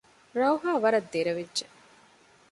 ރައުހާ ވަރަށް ދެރަވެއްޖެ